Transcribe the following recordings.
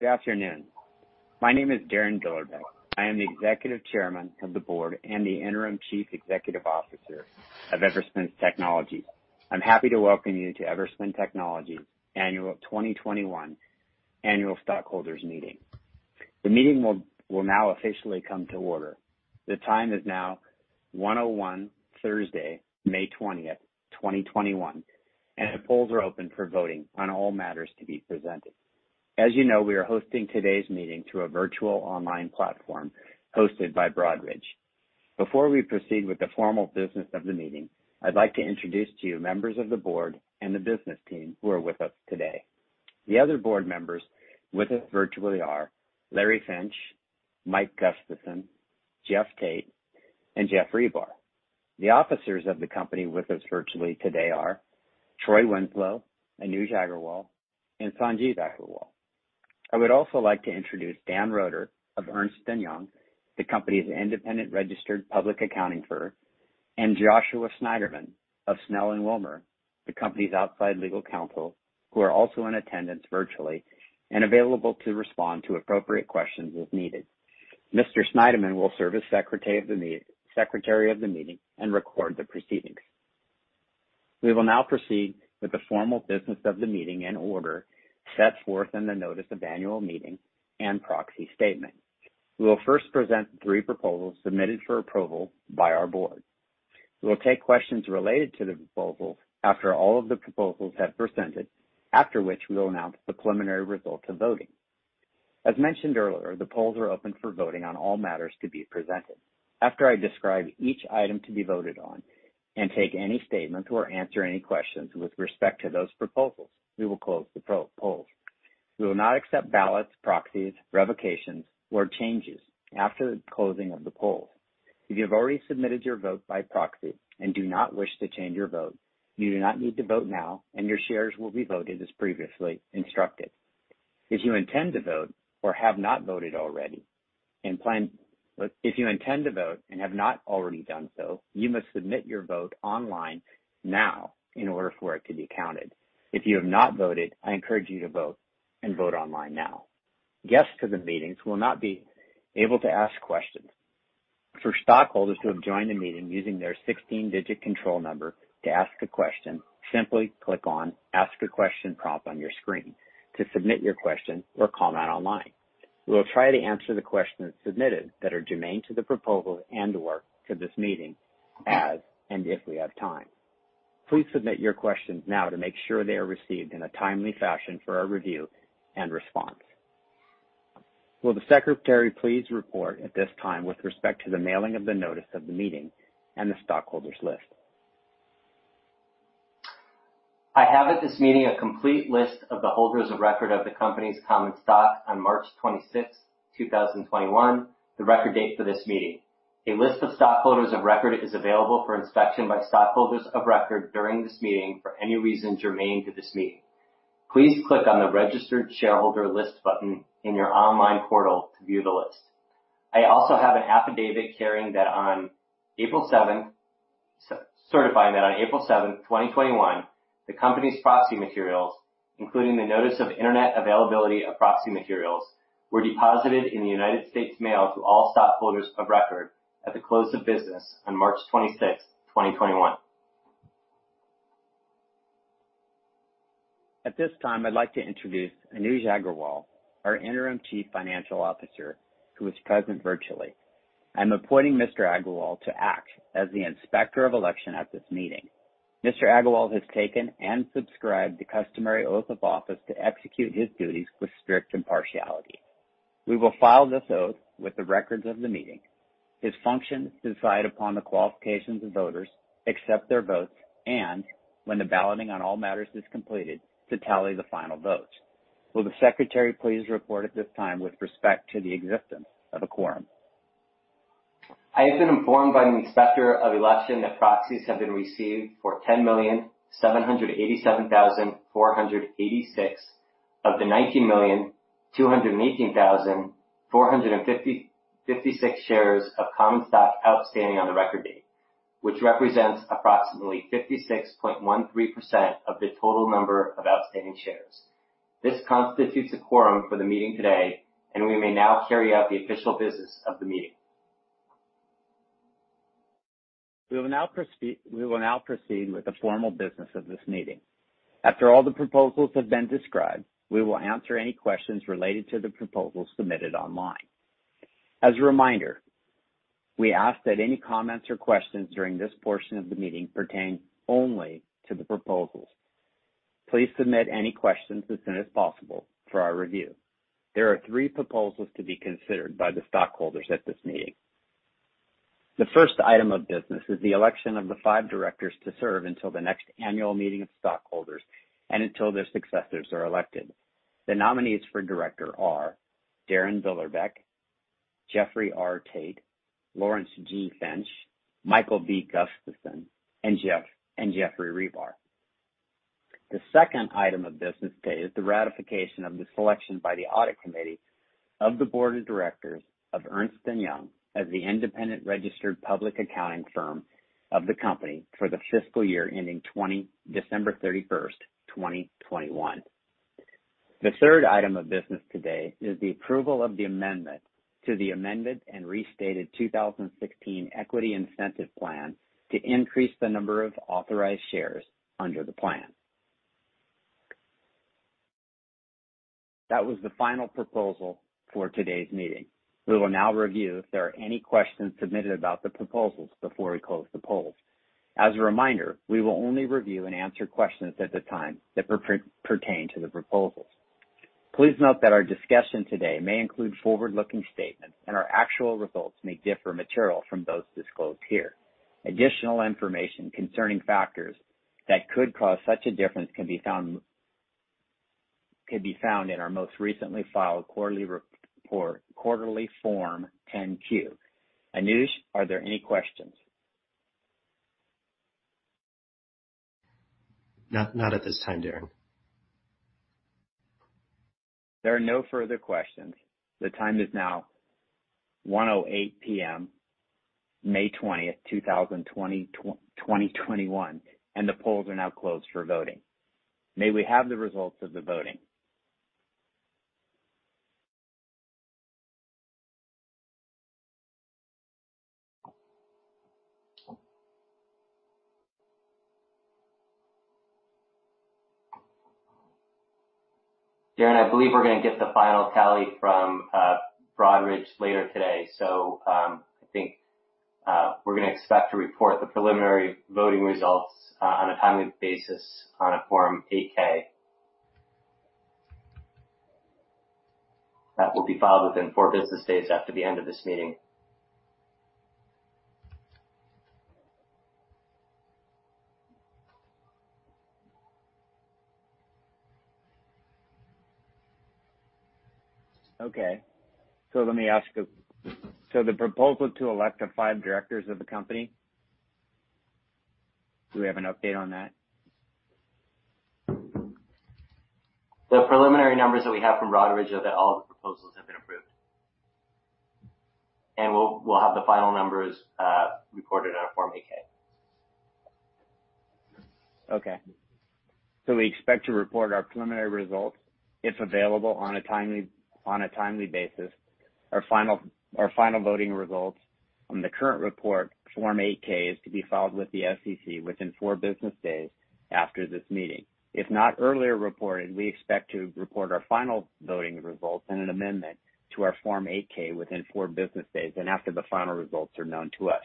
Good afternoon. My name is Darin Billerbeck. I am the Executive Chairman of the Board and the Interim Chief Executive Officer of Everspin Technologies. I'm happy to welcome you to Everspin Technologies Annual 2021 Annual Stockholders Meeting. The meeting will now officially come to order. The time is now 1:01 P.M., Thursday, May 20, 2021, and the polls are open for voting on all matters to be presented. As you know, we are hosting today's meeting through a virtual online platform hosted by Broadridge. Before we proceed with the formal business of the meeting, I'd like to introduce to you members of the board and the business team who are with us today. The other board members with us virtually are Larry Finch, Mike Gustafson, Geoff Tate, and Geoff Ribar. The officers of the company with us virtually today are Troy Winslow, Anuj Aggarwal, and Sanjeev Aggarwal. I would also like to introduce Dan Roeder of Ernst & Young, the company's independent registered public accounting firm, and Joshua Schneiderman of Snell & Wilmer, the company's outside legal counsel, who are also in attendance virtually and available to respond to appropriate questions as needed. Mr. Schneiderman will serve as Secretary of the meeting and record the proceedings. We will now proceed with the formal business of the meeting in order set forth in the notice of annual meeting and proxy statement. We will first present the three proposals submitted for approval by our board. We will take questions related to the proposals after all of the proposals have presented, after which we will announce the preliminary results of voting. As mentioned earlier, the polls are open for voting on all matters to be presented. After I describe each item to be voted on and take any statement or answer any questions with respect to those proposals, we will close the polls. We will not accept ballots, proxies, revocations, or changes after the closing of the polls. If you have already submitted your vote by proxy and do not wish to change your vote, you do not need to vote now, and your shares will be voted as previously instructed. If you intend to vote or have not voted already and planned- but you if intend to vote, and have not already done so, you must submit your vote online now in order for it to be counted. If you have not voted, I encourage you to vote and vote online now. Guests to the meetings will not be able to ask questions. For stockholders who have joined the meeting using their 16-digit control number to ask a question, simply click on Ask a Question prompt on your screen to submit your question or comment online. We will try to answer the questions submitted that are germane to the proposal and/or to this meeting as and if we have time. Please submit your questions now to make sure they are received in a timely fashion for our review and response. Will the Secretary please report at this time with respect to the mailing of the notice of the meeting and the stockholders list. I have at this meeting a complete list of the holders of record of the company's common stock on March 26, 2021, the record date for this meeting. A list of stockholders of record is available for inspection by stockholders of record during this meeting for any reason germane to this meeting. Please click on the Registered Shareholder List button in your online portal to view the list. I also have an affidavit carrying that on April 7- certified that on April 7, 2021, the company's proxy materials, including the notice of internet availability of proxy materials, were deposited in the United States Mail to all stockholders of record at the close of business on March 26, 2021. At this time, I'd like to introduce Anuj Aggarwal, our Interim Chief Financial Officer, who is present virtually. I'm appointing Mr. Aggarwal to act as the Inspector of Election at this meeting. Mr. Aggarwal has taken and subscribed the customary oath of office to execute his duties with strict impartiality. We will file this oath with the records of the meeting. His function is to decide upon the qualifications of voters, accept their votes, and when the balloting on all matters is completed, to tally the final votes. Will the Secretary please report at this time with respect to the existence of a quorum. I have been informed by the Inspector of Election that proxies have been received for 10,787,486 of the 19,218,456 shares of common stock outstanding on the record date, which represents approximately 56.13% of the total number of outstanding shares. This constitutes a quorum for the meeting today, and we may now carry out the official business of the meeting. We will now proceed with the formal business of this meeting. After all the proposals have been described, we will answer any questions related to the proposals submitted online. As a reminder, we ask that any comments or questions during this portion of the meeting pertain only to the proposals. Please submit any questions as soon as possible for our review. There are three proposals to be considered by the stockholders at this meeting. The first item of business is the election of the five directors to serve until the next annual meeting of stockholders and until their successors are elected. The nominees for director are Darin Billerbeck, Geoffrey R. Tate, Lawrence G. Finch, Michael B. Gustafson, and Geoffrey Ribar. The second item of business today is the ratification of the selection by the Audit Committee of the board of directors of Ernst & Young as the independent registered public accounting firm of the company for the fiscal year ending 20- December 31st, 2021. The third item of business today is the approval of the amendment to the Amended and Restated 2016 Equity Incentive Plan to increase the number of authorized shares under the plan. That was the final proposal for today's meeting. We will now review if there are any questions submitted about the proposals before we close the polls. As a reminder, we will only review and answer questions at the time that pertain to the proposals. Please note that our discussion today may include forward-looking statements, and our actual results may differ materially from those disclosed here. Additional information concerning factors that could cause such a difference can be found in our most recently filed quarterly report, quarterly Form 10-Q. Anuj Aggarwal, are there any questions? Not at this time, Darin. If there are no further questions, the time is now 1:08 P.M., May 20th, 2021, and the polls are now closed for voting. May we have the results of the voting? Darin, I believe we're going to get the final tally from Broadridge later today. I think we're going to expect to report the preliminary voting results on a timely basis on a Form 8-K. That will be filed within four business days after the end of this meeting. Okay. Let me ask a- the proposal to elect the five directors of the company, do we have an update on that? The preliminary numbers that we have from Broadridge are that all the proposals have been approved. And we'll have the final numbers reported on a Form 8-K. Okay. We expect to report our preliminary results, if available, on a timely basis. Our final- our final voting results on the current report, Form 8-K, is to be filed with the SEC within four business days after this meeting. If not earlier reported, we expect to report our final voting results in an amendment to our Form 8-K within four business days and after the final results are known to us.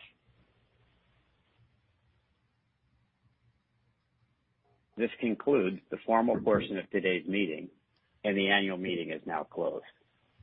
This concludes the formal portion of today's meeting, and the annual meeting is now closed.